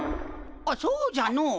あっそうじゃのう。